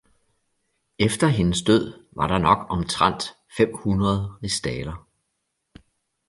Efter hendes død var der nok omtrent fem hundrede rigsdaler.